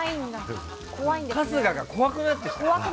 春日が怖くなってきた。